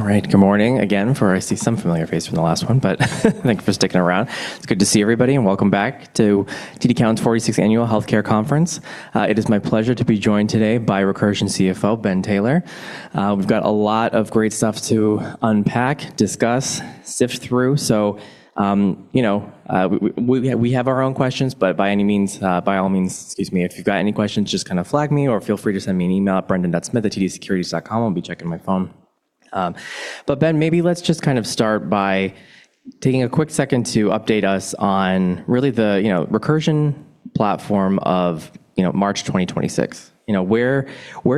All right, good morning again, for I see some familiar face from the last one, but thank you for sticking around. It's good to see everybody, and welcome back to TD Cowen's 46th Annual Health Care Conference. It is my pleasure to be joined today by Recursion CFO, Ben Taylor. We've got a lot of great stuff to unpack, discuss, sift through. You know, we have our own questions, by any means, by all means, excuse me, if you've got any questions, just kinda flag me or feel free to send me an email at brendan.smith@tdsecurities.com. I'll be checking my phone. Ben, maybe let's just kind of start by taking a quick second to update us on really the, you know, Recursion platform of, you know, March 2026. You know, where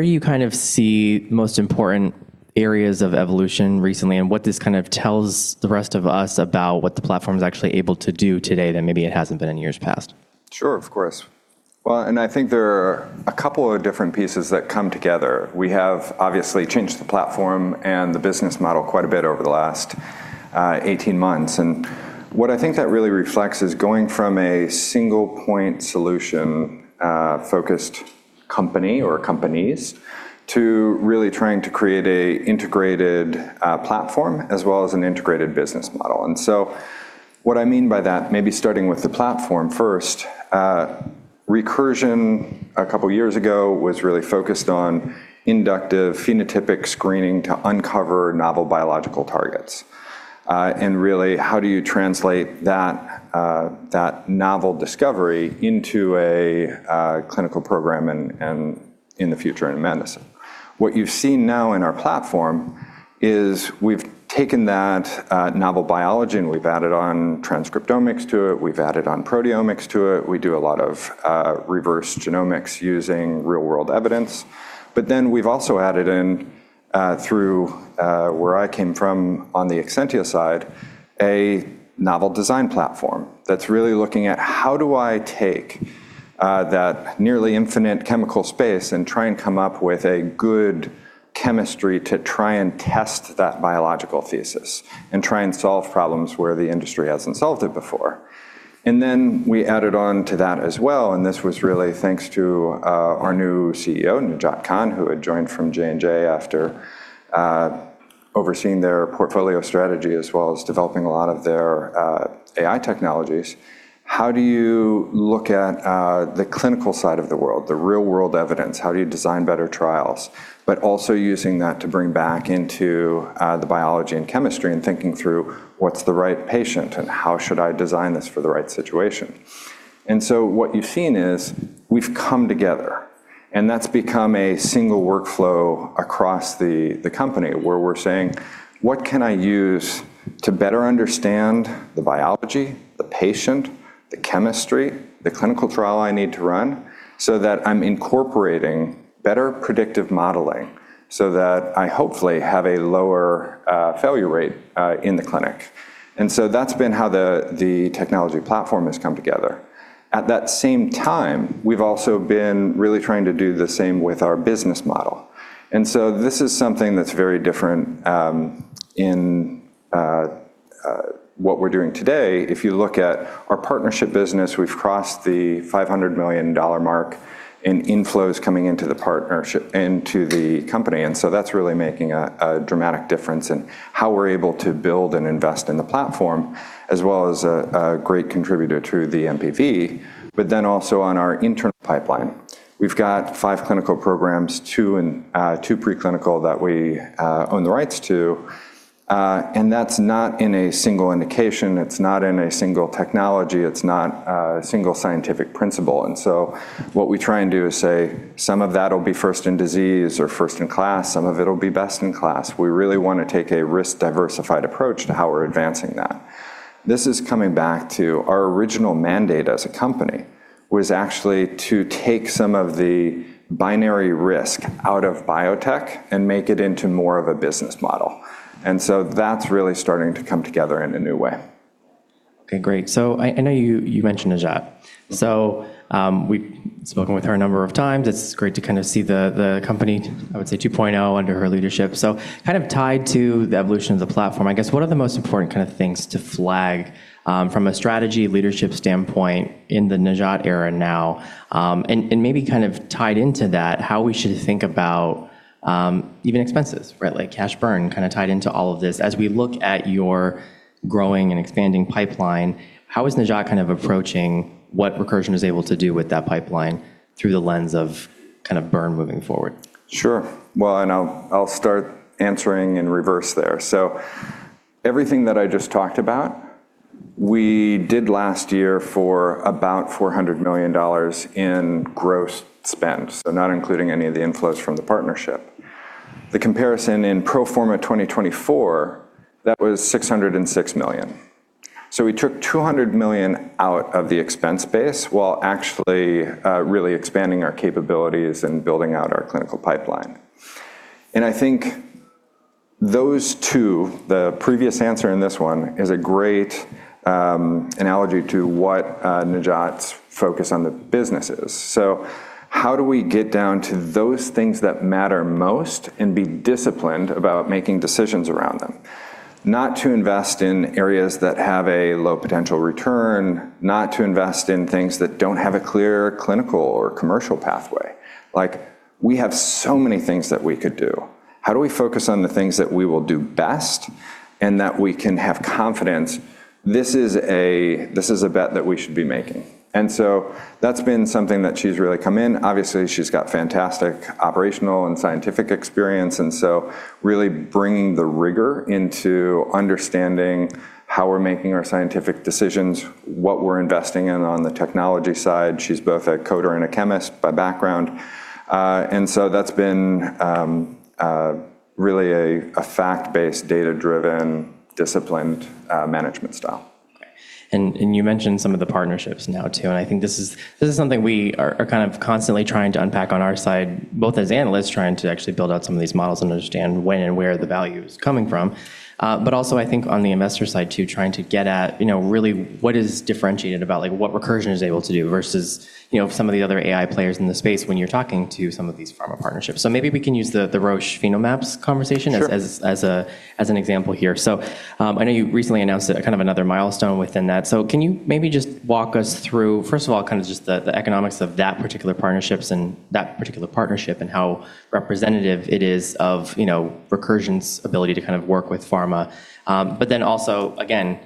you kind of see most important areas of evolution recently and what this kind of tells the rest of us about what the platform's actually able to do today that maybe it hasn't been in years past? Sure, of course. I think there are a couple of different pieces that come together. We have obviously changed the platform and the business model quite a bit over the last 18 months. What I think that really reflects is going from a single-point solution-focused company or companies to really trying to create a integrated platform as well as an integrated business model. What I mean by that, maybe starting with the platform first, Recursion a couple years ago was really focused on inductive phenotypic screening to uncover novel biological targets. Really, how do you translate that novel discovery into a clinical program and in the future in medicine? What you've seen now in our platform is we've taken that novel biology, and we've added on transcriptomics to it, we've added on proteomics to it. We do a lot of reverse genetics using real-world evidence. We've also added in through where I came from on the Exscientia side, a novel design platform that's really looking at how do I take that nearly infinite chemical space and try and come up with a good chemistry to try and test that biological thesis and try and solve problems where the industry hasn't solved it before. We added on to that as well, and this was really thanks to our new CEO, Najat Khan, who had joined from J&J after overseeing their portfolio strategy as well as developing a lot of their AI technologies. How do you look at the clinical side of the world, the real-world evidence? How do you design better trials? Also using that to bring back into the biology and chemistry and thinking through what's the right patient and how should I design this for the right situation. What you've seen is we've come together, and that's become a single workflow across the company, where we're saying, "What can I use to better understand the biology, the patient, the chemistry, the clinical trial I need to run, so that I'm incorporating better predictive modeling so that I hopefully have a lower failure rate in the clinic?" That's been how the technology platform has come together. At that same time, we've also been really trying to do the same with our business model. This is something that's very different in what we're doing today. If you look at our partnership business, we've crossed the $500 million mark in inflows coming into the company. That's really making a dramatic difference in how we're able to build and invest in the platform as well as a great contributor to the NPV. Also on our internal pipeline, we've got five clinical programs, two preclinical that we own the rights to. That's not in a single indication. It's not in a single technology. It's not a single scientific principle. What we try and do is say some of that'll be first-in-disease or first-in-class, some of it'll be best-in-class. We really wanna take a risk-diversified approach to how we're advancing that. This is coming back to our original mandate as a company, was actually to take some of the binary risk out of biotech and make it into more of a business model. That's really starting to come together in a new way. Okay, great. I know you mentioned Najat. We've spoken with her a number of times. It's great to kinda see the company, I would say 2.0 under her leadership. Kind of tied to the evolution of the platform, I guess what are the most important kinda things to flag from a strategy leadership standpoint in the Najat era now, and maybe kind of tied into that, how we should think about even expenses, right? Like cash burn kinda tied into all of this. As we look at your growing and expanding pipeline, how is Najat kind of approaching what Recursion is able to do with that pipeline through the lens of kind of burn moving forward? Sure. Well, I'll start answering in reverse there. Everything that I just talked about, we did last year for about $400 million in gross spend, not including any of the inflows from the partnership. The comparison in pro forma 2024, that was $606 million. We took $200 million out of the expense base while actually really expanding our capabilities and building out our clinical pipeline. I think those two, the previous answer and this one, is a great analogy to what Najat Khan's focus on the business is. How do we get down to those things that matter most and be disciplined about making decisions around them? Not to invest in areas that have a low potential return, not to invest in things that don't have a clear clinical or commercial pathway. Like, we have so many things that we could do. How do we focus on the things that we will do best and that we can have confidence this is a bet that we should be making? That's been something that she's really come in. Obviously, she's got fantastic operational and scientific experience, and so really bringing the rigor into understanding how we're making our scientific decisions, what we're investing in on the technology side. She's both a coder and a chemist by background. That's been really a fact-based, data-driven, disciplined management style. Okay. You mentioned some of the partnerships now too, and I think this is something we are kind of constantly trying to unpack on our side, both as analysts trying to actually build out some of these models and understand when and where the value is coming from. Also I think on the investor side too, trying to get at, you know, really what is differentiated about, like what Recursion is able to do versus, you know, some of the other AI players in the space when you're talking to some of these pharma partnerships. Maybe we can use the Roche PhenoMaps conversation- Sure. As a, as an example here. I know you recently announced a, kind of another milestone within that. Can you maybe just walk us through, first of all, kind of just the economics of that particular partnerships and that particular partnership and how representative it is of, you know, Recursion's ability to kind of work with pharma? But then also again,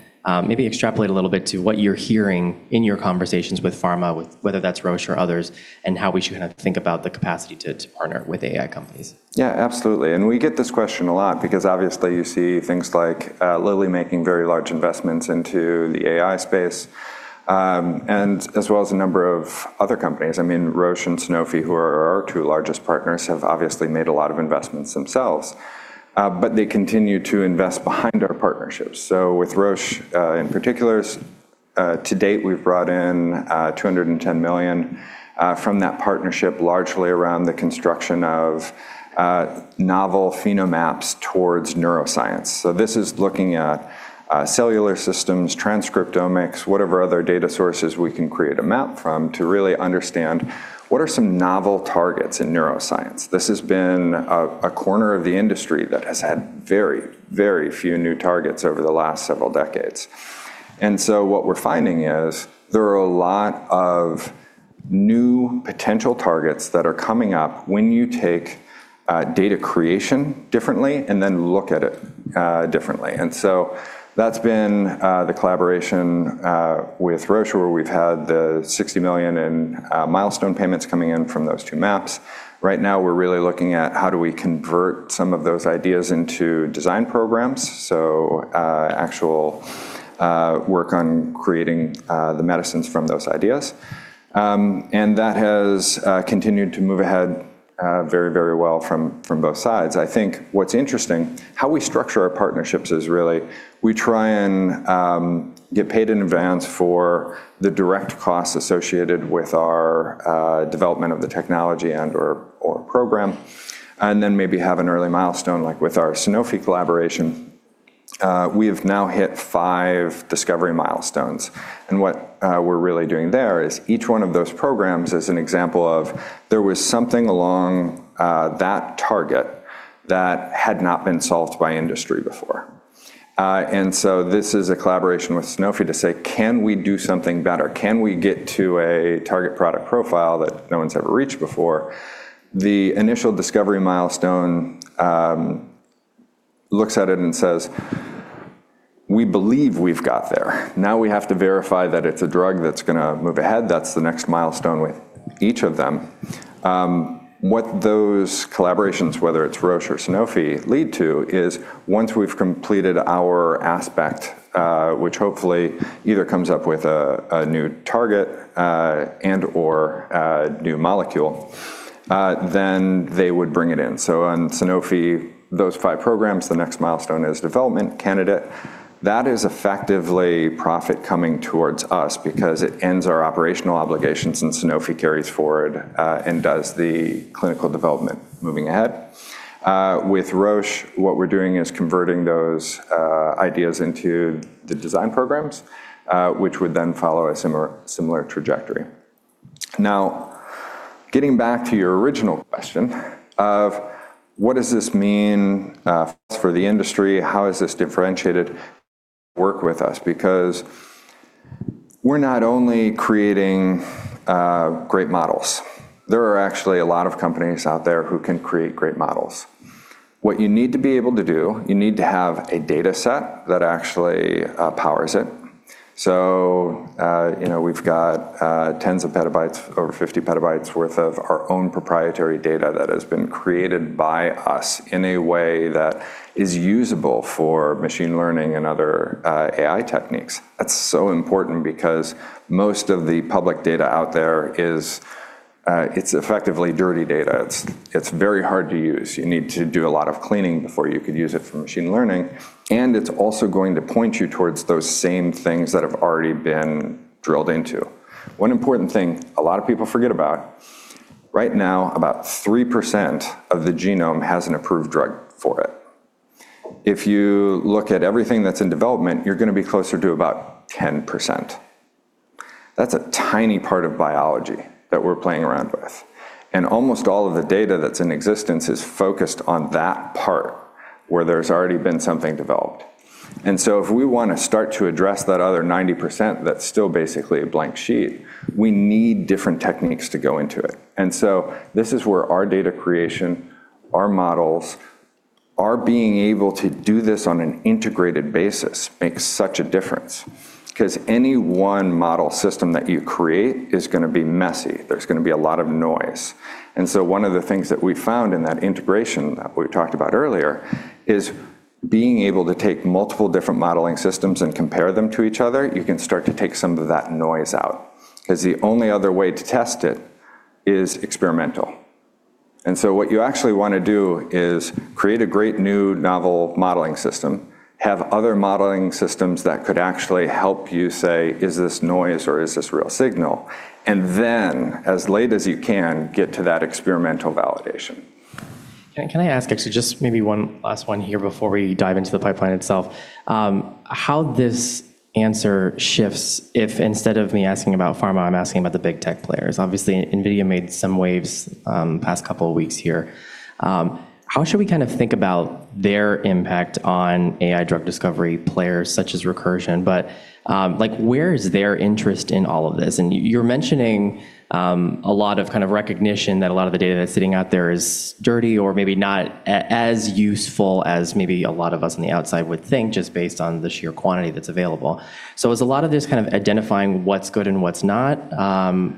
maybe extrapolate a little bit to what you're hearing in your conversations with pharma, with whether that's Roche or others, and how we should kind about the capacity to partner with AI companies? Absolutely. We get this question a lot because obviously you see things like Lilly making very large investments into the AI space, and as well as a number of other companies. I mean, Roche and Sanofi, who are our two largest partners, have obviously made a lot of investments themselves. They continue to invest behind our partnerships. With Roche, in particular, to date, we've brought in $210 million from that partnership, largely around the construction of novel PhenoMaps towards neuroscience. This is looking at cellular systems, transcriptomics, whatever other data sources we can create a map from to really understand what are some novel targets in neuroscience. This has been a corner of the industry that has had very, very few new targets over the last several decades. What we're finding is there are a lot of new potential targets that are coming up when you take data creation differently and then look at it differently. That's been the collaboration with Roche, where we've had the $60 million in milestone payments coming in from those two maps. Right now, we're really looking at how do we convert some of those ideas into design programs, so actual work on creating the medicines from those ideas. That has continued to move ahead very, very well from both sides. I think what's interesting, how we structure our partnerships is really we try and get paid in advance for the direct costs associated with our development of the technology and/or program, and then maybe have an early milestone, like with our Sanofi collaboration. We have now hit five discovery milestones, what we're really doing there is each one of those programs is an example of there was something along that target that had not been solved by industry before. This is a collaboration with Sanofi to say, "Can we do something better? Can we get to a target product profile that no one's ever reached before?" The initial discovery milestone looks at it and says, "We believe we've got there. We have to verify that it's a drug that's gonna move ahead. That's the next milestone with each of them. What those collaborations, whether it's Roche or Sanofi, lead to is once we've completed our aspect, which hopefully either comes up with a new target, and/or a new molecule, they would bring it in. On Sanofi, those five programs, the next milestone is Development Candidate. That is effectively profit coming towards us because it ends our operational obligations, Sanofi carries forward, and does the clinical development moving ahead. With Roche, what we're doing is converting those ideas into the design programs, which would follow a similar trajectory. Getting back to your original question of what does this mean for the industry? How is this differentiated? Work with us because we're not only creating great models. There are actually a lot of companies out there who can create great models. What you need to be able to do, you need to have a data set that actually powers it. you know, we've got tens of petabytes, over 50 PB worth of our own proprietary data that has been created by us in a way that is usable for machine learning and other AI techniques. That's so important because most of the public data out there is, it's effectively dirty data. It's very hard to use. You need to do a lot of cleaning before you could use it for machine learning, and it's also going to point you towards those same things that have already been drilled into. One important thing a lot of people forget about, right now, about 3% of the genome has an approved drug for it. If you look at everything that's in development, you're gonna be closer to about 10%. That's a tiny part of biology that we're playing around with. Almost all of the data that's in existence is focused on that part where there's already been something developed. If we want to start to address that other 90% that's still basically a blank sheet, we need different techniques to go into it. This is where our data creation, our models, our being able to do this on an integrated basis makes such a difference. Because any one model system that you create is going to be messy. There's going to be a lot of noise. One of the things that we found in that integration that we talked about earlier is being able to take multiple different modeling systems and compare them to each other, you can start to take some of that noise out. The only other way to test it is experimental. What you actually want to do is create a great new novel modeling system, have other modeling systems that could actually help you say, "Is this noise or is this real signal?" Then as late as you can, get to that experimental validation. Can I ask actually just maybe one last one here before we dive into the pipeline itself, how this answer shifts if instead of me asking about pharma, I'm asking about the big tech players. Obviously, NVIDIA made some waves, past couple of weeks here. How should we kind of think about their impact on AI drug discovery players such as Recursion? like where is their interest in all of this? You're mentioning a lot of kind of recognition that a lot of the data that's sitting out there is dirty or maybe not as useful as maybe a lot of us on the outside would think just based on the sheer quantity that's available. Is a lot of this kind of identifying what's good and what's not,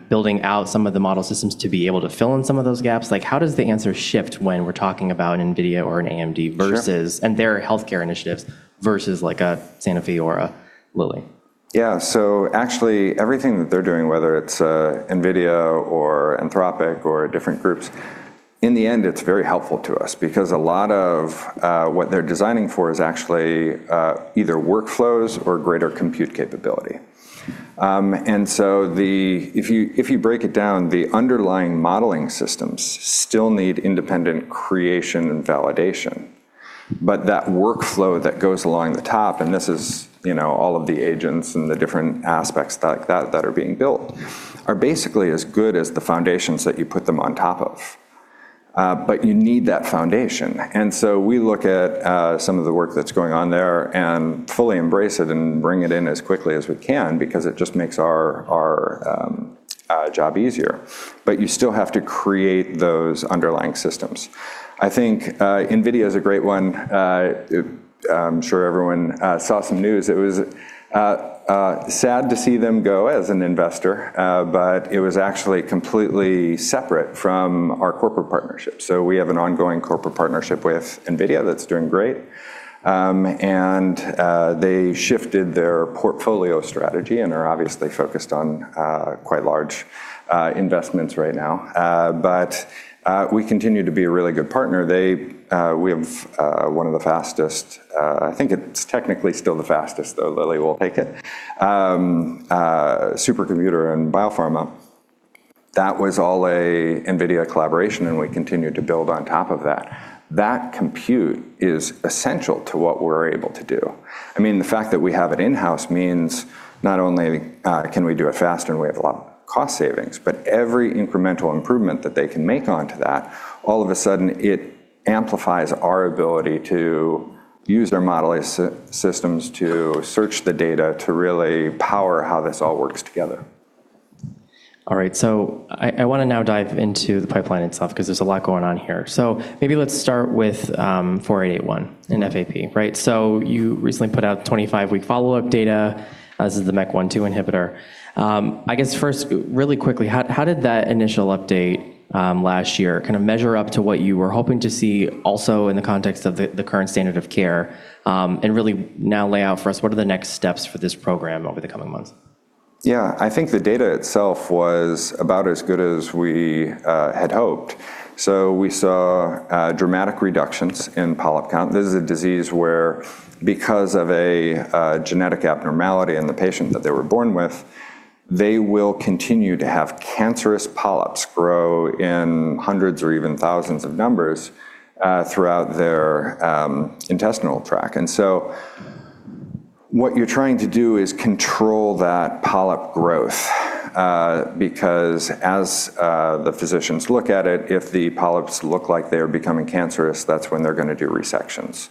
building out some of the model systems to be able to fill in some of those gaps? How does the answer shift when we're talking about an NVIDIA or an AMD versus- Sure. Their healthcare initiatives versus like a Sanofi or a Lilly? Yeah. Actually everything that they're doing, whether it's NVIDIA or Anthropic or different groups, in the end it's very helpful to us because a lot of what they're designing for is actually either workflows or greater compute capability. If you, if you break it down, the underlying modeling systems still need independent creation and validation. That workflow that goes along the top, and this is, you know, all of the agents and the different aspects like that that are being built, are basically as good as the foundations that you put them on top of. You need that foundation. We look at some of the work that's going on there and fully embrace it and bring it in as quickly as we can because it just makes our job easier. You still have to create those underlying systems. I think NVIDIA is a great one. I'm sure everyone saw some news. It was sad to see them go as an investor, it was actually completely separate from our corporate partnership. We have an ongoing corporate partnership with NVIDIA that's doing great. They shifted their portfolio strategy and are obviously focused on quite large investments right now. We continue to be a really good partner. They, we have one of the fastest, I think it's technically still the fastest, though Lilly will take it, supercomputer in biopharma. That was all a NVIDIA collaboration, we continue to build on top of that. That compute is essential to what we're able to do. I mean, the fact that we have it in-house means not only, can we do it faster and we have a lot of cost savings, but every incremental improvement that they can make onto that, all of a sudden it amplifies our ability to use their modeling systems to search the data to really power how this all works together. All right. I wanna now dive into the pipeline itself because there's a lot going on here. Maybe let's start with REC-4818 in FAP, right? You recently put out 25-week follow-up data as is the MEK1/2 inhibitor. I guess first, really quickly, how did that initial update last year kind of measure up to what you were hoping to see also in the context of the current standard of care, and really now lay out for us what are the next steps for this program over the coming months? I think the data itself was about as good as we had hoped. We saw dramatic reductions in polyp count. This is a disease where because of a genetic abnormality in the patient that they were born with, they will continue to have cancerous polyps grow in hundreds or even thousands of numbers throughout their intestinal tract. What you're trying to do is control that polyp growth, because as the physicians look at it, if the polyps look like they're becoming cancerous, that's when they're gonna do resections.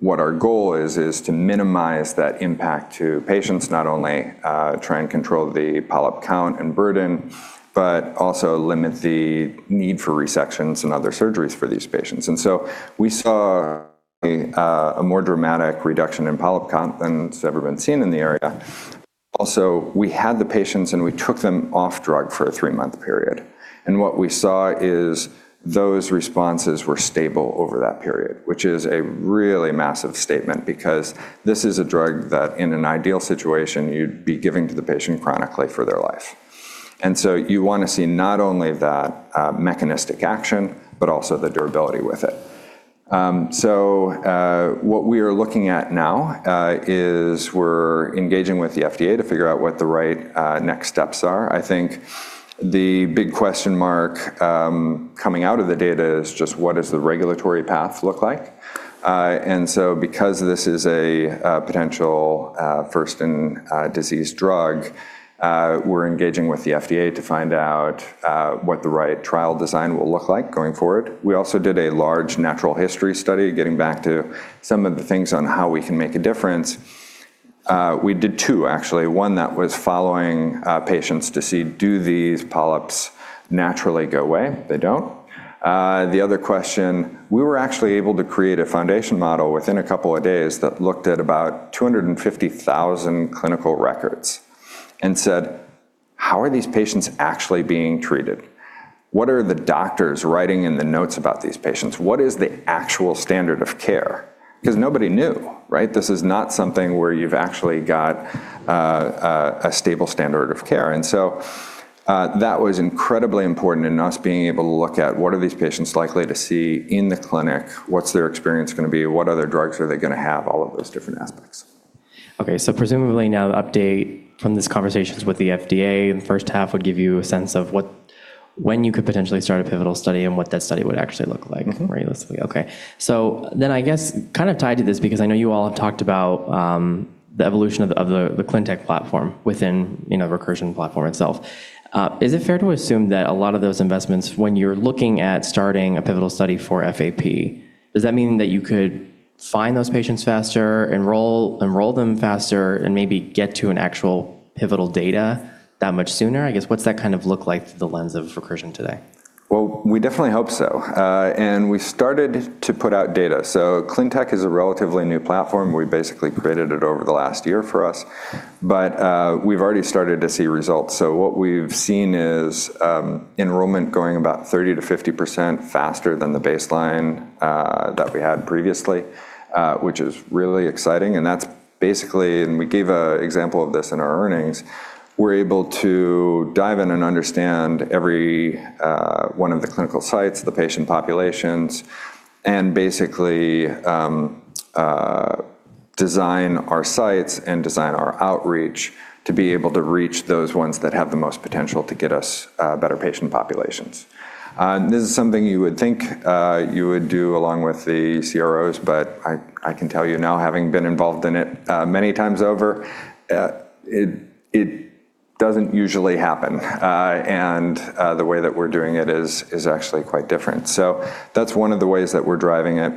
What our goal is to minimize that impact to patients, not only try and control the polyp count and burden, but also limit the need for resections and other surgeries for these patients. We saw a more dramatic reduction in polyp count than it's ever been seen in the area. Also, we had the patients, and we took them off drug for a three-month period. What we saw is those responses were stable over that period, which is a really massive statement because this is a drug that in an ideal situation you'd be giving to the patient chronically for their life. You wanna see not only that mechanistic action, but also the durability with it. What we are looking at now is we're engaging with the FDA to figure out what the right next steps are. I think the big question mark coming out of the data is just what does the regulatory path look like? Because this is a potential first-in-disease drug, we're engaging with the FDA to find out what the right trial design will look like going forward. We also did a large natural history study, getting back to some of the things on how we can make a difference. We did two, actually. One that was following patients to see, do these polyps naturally go away? They don't. The other question, we were actually able to create a foundation model within a couple of days that looked at about 250,000 clinical records and said, "How are these patients actually being treated? What are the doctors writing in the notes about these patients? What is the actual standard of care?" Nobody knew, right? This is not something where you've actually got a stable standard of care. That was incredibly important in us being able to look at what are these patients likely to see in the clinic? What's their experience gonna be? What other drugs are they gonna have? All of those different aspects. Presumably now the update from these conversations with the FDA in the first half would give you a sense of when you could potentially start a pivotal study and what that study would actually look like. Mm-hmm. -more or less. Okay. I guess kind of tied to this, because I know you all have talked about, the evolution of the ClinTech platform within, you know, Recursion platform itself, is it fair to assume that a lot of those investments when you're looking at starting a pivotal study for FAP, does that mean that you could find those patients faster, enroll them faster, and maybe get to an actual pivotal data that much sooner? I guess, what's that kind of look like through the lens of Recursion today? Well, we definitely hope so. We started to put out data. ClinTech is a relatively new platform. We basically created it over the last year for us, we've already started to see results. What we've seen is enrollment going about 30%-50% faster than the baseline that we had previously, which is really exciting, that's basically, we gave an example of this in our earnings, we're able to dive in and understand every one of the clinical sites, the patient populations, and basically design our sites and design our outreach to be able to reach those ones that have the most potential to get us better patient populations. This is something you would think you would do along with the CROs, but I can tell you now, having been involved in it many times over, it doesn't usually happen. The way that we're doing it is actually quite different. That's one of the ways that we're driving it.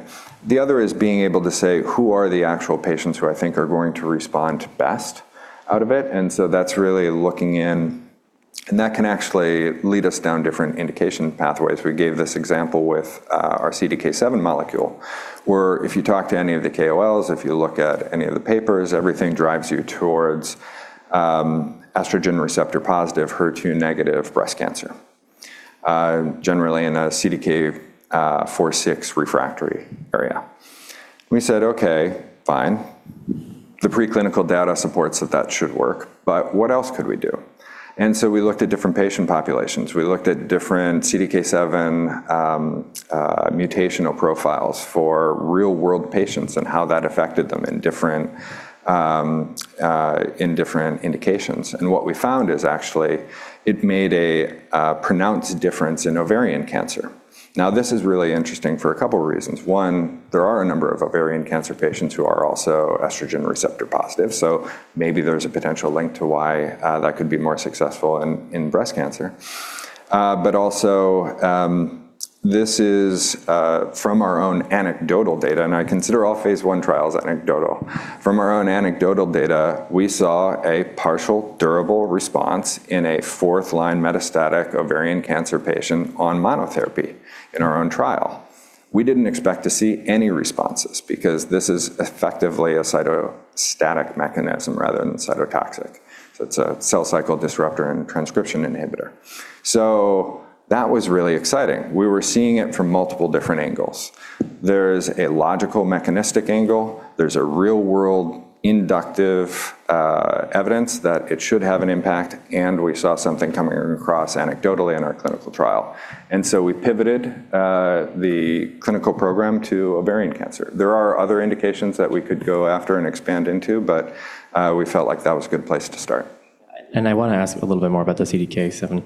The other is being able to say, who are the actual patients who I think are going to respond best out of it? That's really looking in, and that can actually lead us down different indication pathways. We gave this example with our CDK7 molecule, where if you talk to any of the KOLs, if you look at any of the papers, everything drives you towards estrogen receptor-positive, HER2-negative breast cancer, generally in a CDK4/6 refractory area. We said, "Okay, fine. The preclinical data supports that that should work, but what else could we do?" We looked at different patient populations. We looked at different CDK7 mutational profiles for real-world patients and how that affected them in different indications. What we found is actually it made a pronounced difference in ovarian cancer. This is really interesting for a couple reasons. One, there are a number of ovarian cancer patients who are also estrogen receptor-positive, so maybe there's a potential link to why that could be more successful in breast cancer. Also, this is from our own anecdotal data, and I consider all phase I trials anecdotal. From our own anecdotal data, we saw a partial durable response in a fourth-line metastatic ovarian cancer patient on monotherapy in our own trial. We didn't expect to see any responses because this is effectively a cytostatic mechanism rather than cytotoxic. It's a cell cycle disruptor and transcription inhibitor. That was really exciting. We were seeing it from multiple different angles. There's a logical mechanistic angle. There's a real-world inductive evidence that it should have an impact, and we saw something coming across anecdotally in our clinical trial. We pivoted the clinical program to ovarian cancer. There are other indications that we could go after and expand into, we felt like that was a good place to start. I wanna ask a little bit more about the CDK7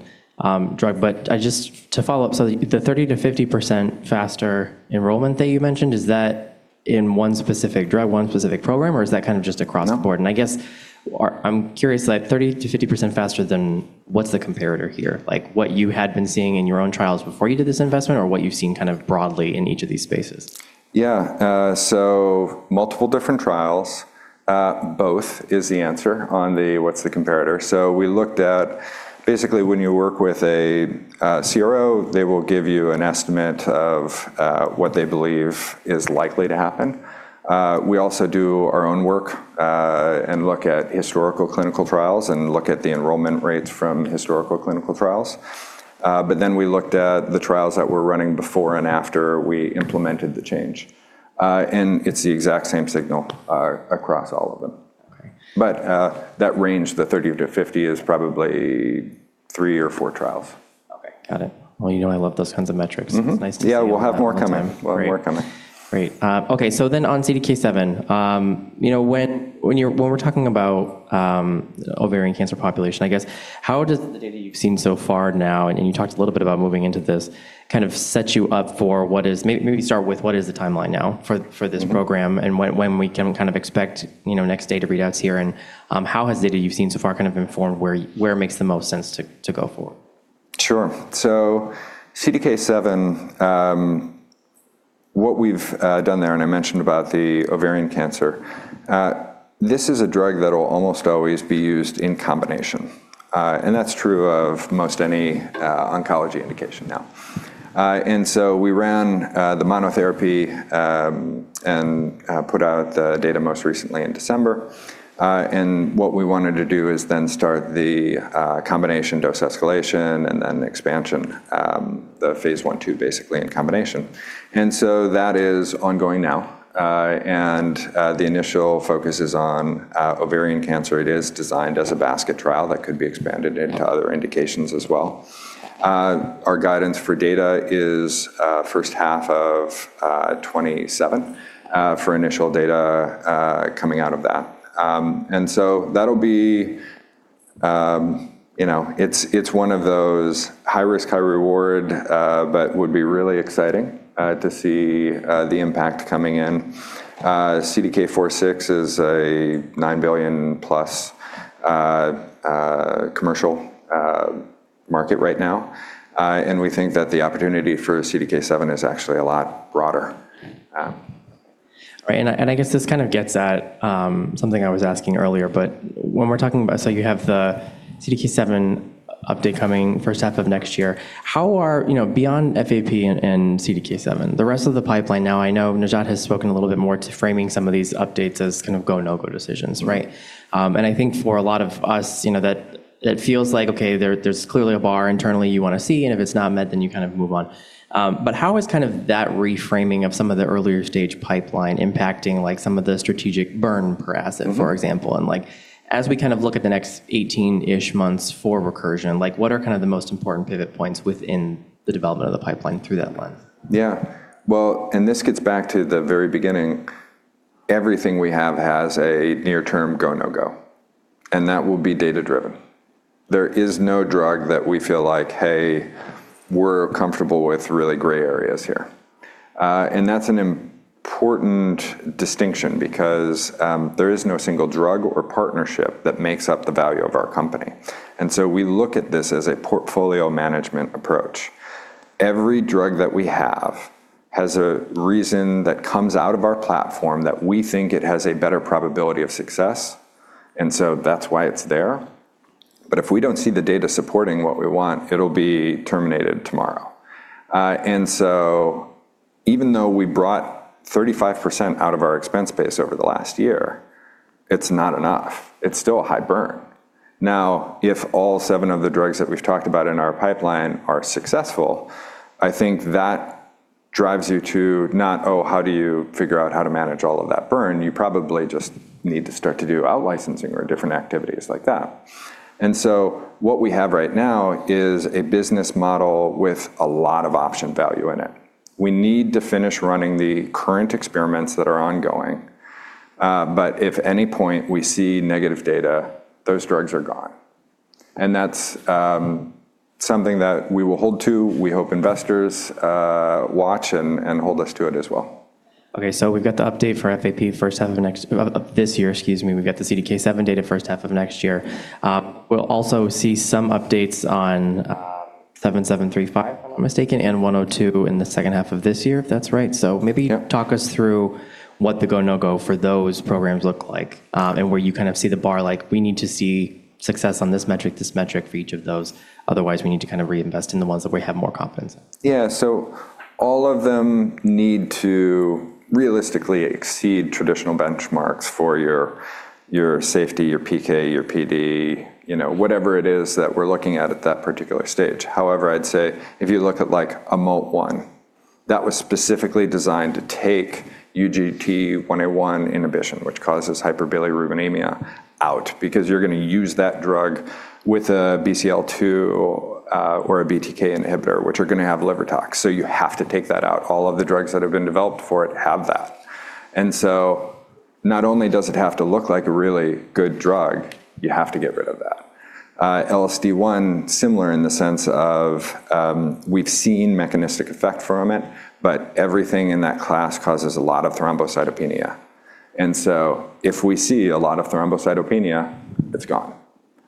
drug. To follow up, the 30%-50% faster enrollment that you mentioned, is that in one specific drug, one specific program, or is that kind of just across the board? No. I guess or I'm curious, like, 30%-50% faster than what's the comparator here? Like, what you had been seeing in your own trials before you did this investment or what you've seen kind of broadly in each of these spaces? Yeah. Multiple different trials. Both is the answer on the what's the comparator. We looked at basically when you work with a CRO, they will give you an estimate of what they believe is likely to happen. We also do our own work and look at historical clinical trials and look at the enrollment rates from historical clinical trials. We looked at the trials that were running before and after we implemented the change. It's the exact same signal across all of them. Okay. That range, the 30%-50%, is probably three or four trials. Got it. Well, you know I love those kinds of metrics. Mm-hmm. It's nice to see- Yeah, we'll have more coming. More time. Great. We'll have more coming. Great. Okay, on CDK7, you know, when we're talking about ovarian cancer population, I guess, how does the data you've seen so far now, and you talked a little bit about moving into this, kind of set you up for what is the timeline now for? Mm-hmm. For this program and when we can kind of expect, you know, next data readouts here, and how has data you've seen so far kind of informed where it makes the most sense to go forward? Sure. CDK7, what we've done there, and I mentioned about the ovarian cancer, this is a drug that'll almost always be used in combination. That's true of most any oncology indication now. We ran the monotherapy and put out the data most recently in December. What we wanted to do is then start the combination dose escalation and then expansion, the phase I/II basically in combination. That is ongoing now. The initial focus is on ovarian cancer. It is designed as a basket trial that could be expanded into other indications as well. Our guidance for data is first half of 2027 for initial data coming out of that. That'll be, you know, it's one of those high-risk, high-reward, but would be really exciting to see the impact coming in. CDK4/6 is a $9 billion-plus commercial market right now. We think that the opportunity for CDK7 is actually a lot broader. Right. I guess this kind of gets at, something I was asking earlier, but when we're talking about. You have the CDK7 update coming first half of next year. How are, you know, beyond FAP and CDK7, the rest of the pipeline now I know Najat has spoken a little bit more to framing some of these updates as kind of go/no-go decisions, right? Mm-hmm. I think for a lot of us, you know, that it feels like, okay, there's clearly a bar internally you wanna see, and if it's not met, then you kind of move on. How is kind of that reframing of some of the earlier stage pipeline impacting, like, some of the strategic burn per asset... Mm-hmm. For example, like, as we kind of look at the next 18-ish months for Recursion, like what are kind of the most important pivot points within the development of the pipeline through that lens? Yeah. Well, this gets back to the very beginning. Everything we have has a near-term go/no-go, and that will be data-driven. There is no drug that we feel like, "Hey, we're comfortable with really gray areas here." That's an important distinction because there is no single drug or partnership that makes up the value of our company. We look at this as a portfolio management approach. Every drug that we have has a reason that comes out of our platform that we think it has a better probability of success, and so that's why it's there. If we don't see the data supporting what we want, it'll be terminated tomorrow. Even though we brought 35% out of our expense base over the last year, it's not enough. It's still a high burn. If all seven of the drugs that we've talked about in our pipeline are successful, I think that drives you to not, oh, how do you figure out how to manage all of that burn? You probably just need to start to do out-licensing or different activities like that. What we have right now is a business model with a lot of option value in it. We need to finish running the current experiments that are ongoing, but if any point we see negative data, those drugs are gone. That's something that we will hold to. We hope investors watch and hold us to it as well. Okay, we've got the update for FAP first half of this year, excuse me. We've got the CDK7 data first half of next year. We'll also see some updates on EXS-73565, if I'm not mistaken, and 102 in the second half of this year, if that's right. Yep. Maybe talk us through what the go/no-go for those programs look like, and where you kind of see the bar, like we need to see success on this metric, this metric for each of those. Otherwise, we need to kind of reinvest in the ones that we have more confidence in? All of them need to realistically exceed traditional benchmarks for your safety, your PK, your PD, you know, whatever it is that we're looking at at that particular stage. However, I'd say if you look at like MALT1, that was specifically designed to take UGT1A1 inhibition, which causes hyperbilirubinemia out because you're gonna use that drug with a BCL-2 or a BTK inhibitor, which are gonna have liver tox. You have to take that out. All of the drugs that have been developed for it have that. Not only does it have to look like a really good drug, you have to get rid of that. LSD1, similar in the sense of, we've seen mechanistic effect from it, but everything in that class causes a lot of thrombocytopenia. If we see a lot of thrombocytopenia, it's gone,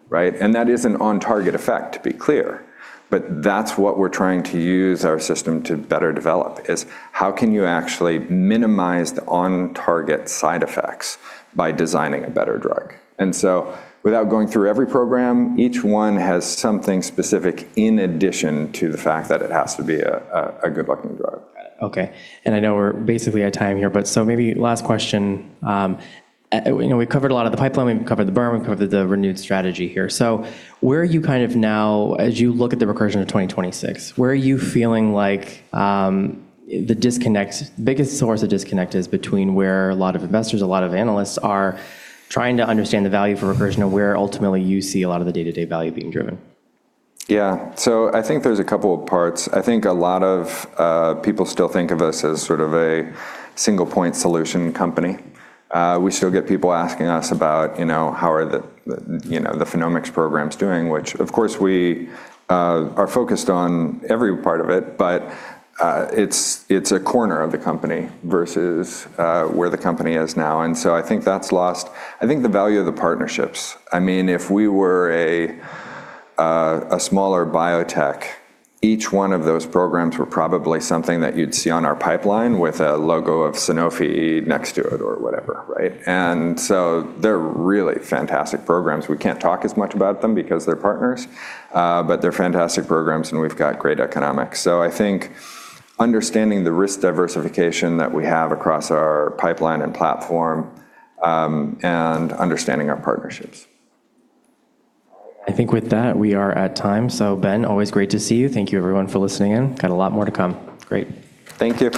right? That is an on-target effect, to be clear. That's what we're trying to use our system to better develop, is how can you actually minimize the on-target side effects by designing a better drug? Without going through every program, each one has something specific in addition to the fact that it has to be a good-looking drug. Got it. Okay. I know we're basically at time here. Maybe last question. You know, we covered a lot of the pipeline, we've covered the burn, we've covered the renewed strategy here. Where are you kind of now as you look at the Recursion of 2026? Where are you feeling like, the biggest source of disconnect is between where a lot of investors, a lot of analysts are trying to understand the value for Recursion and where ultimately you see a lot of the day-to-day value being driven? I think there's a couple of parts. I think a lot of people still think of us as sort of a single-point solution company. We still get people asking us about, you know, how are the, you know, the phenomics programs doing, which of course we are focused on every part of it, but it's a corner of the company versus where the company is now. I think that's lost. I think the value of the partnerships, I mean, if we were a smaller biotech, each one of those programs were probably something that you'd see on our pipeline with a logo of Sanofi next to it or whatever, right? They're really fantastic programs. We can't talk as much about them because they're partners, but they're fantastic programs and we've got great economics. I think understanding the risk diversification that we have across our pipeline and platform, and understanding our partnerships. I think with that, we are at time. Ben, always great to see you. Thank you everyone for listening in. Got a lot more to come. Great. Thank you.